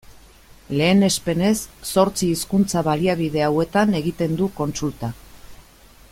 Lehenespenez, zortzi hizkuntza-baliabide hauetan egiten du kontsulta.